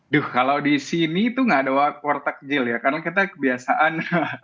duh kalau disini tuh gak ada war takjil ya karena kita kebiasaan